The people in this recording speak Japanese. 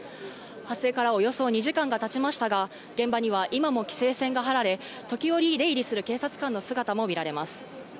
発生からおよそ２時間が経ちましたが、現場には今も規制線が張られ、時折出入りする警察官の姿も見られます。